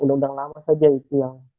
undang undang lama saja itu yang